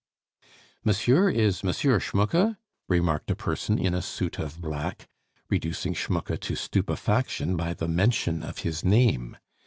"Monsieur is M. Schmucke?" remarked a person in a suit of black, reducing Schmucke to stupefaction by the mention of his name.